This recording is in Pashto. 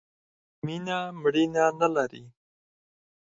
مینه ، مړینه نه لري.